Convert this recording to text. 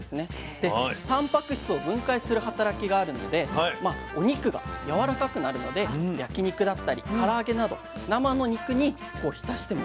でたんぱく質を分解する働きがあるのでお肉がやわらかくなるので焼き肉だったりから揚げなど生の肉にこう浸しても。